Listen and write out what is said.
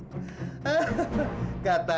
bengkel bapak kamu